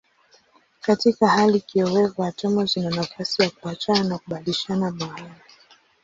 Katika hali kiowevu atomu zina nafasi ya kuachana na kubadilishana mahali.